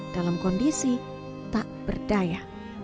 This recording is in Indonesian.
dalam kondisi tak berdaya